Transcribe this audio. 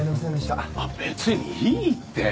別にいいって。